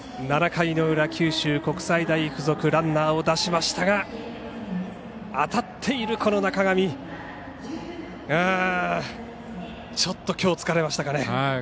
７回の裏、九州国際大付属ランナーを出しましたが当たっている中上ちょっと虚を突かれましたかね。